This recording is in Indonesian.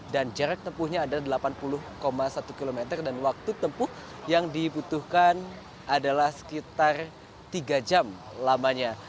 dan jarak tepuhnya adalah delapan puluh satu km dan waktu tepuh yang dibutuhkan adalah sekitar tiga jam lamanya